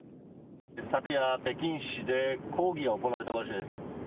昨夜、北京市で抗議が行われた場所です。